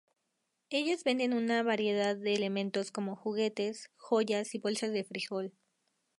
Ellos venden una variedad de elementos como juguetes, joyas y bolsas de frijoles.